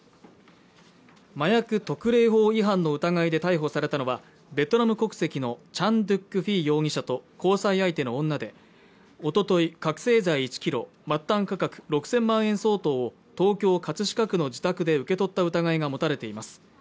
麻薬特例法違反の疑いで逮捕されたのはベトナム国籍のチャン・ドゥック・フィー容疑者と交際相手の女でおととい覚醒剤１キロ末端価格６０００万円相当を東京葛飾区の自宅で受け取った疑いが持たれています